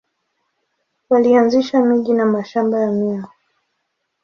Walianzisha miji na mashamba ya miwa.